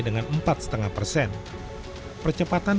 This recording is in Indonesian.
kepala bbm mengatakan